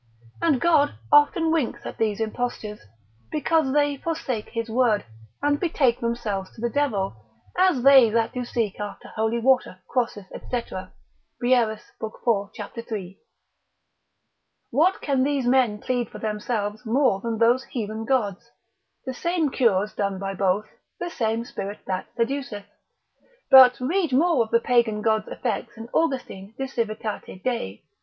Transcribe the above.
And God often winks at these impostures, because they forsake his word, and betake themselves to the devil, as they do that seek after holy water, crosses, &c. Wierus, lib. 4. cap. 3. What can these men plead for themselves more than those heathen gods, the same cures done by both, the same spirit that seduceth; but read more of the Pagan god's effects in Austin de Civitate Dei, l.